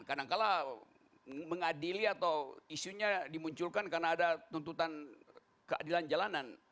kadangkala mengadili atau isunya dimunculkan karena ada tuntutan keadilan jalanan